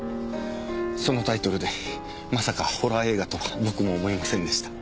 そのタイトルでまさかホラー映画とは僕も思いませんでした。